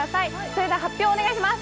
それでは発表お願いします